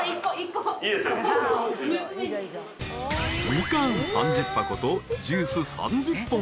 ［ミカン３０箱とジュース３０本］